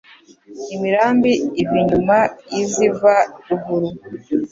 Imirambi iva inyuma y'iziva ruguru,